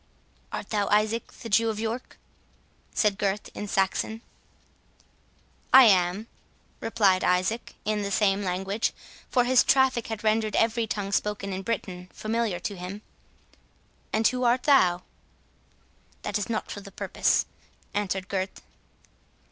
"Art thou Isaac the Jew of York?" said Gurth, in Saxon. "I am," replied Isaac, in the same language, (for his traffic had rendered every tongue spoken in Britain familiar to him)—"and who art thou?" "That is not to the purpose," answered Gurth.